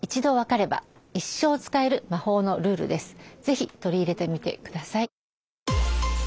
是非取り入れてみてください。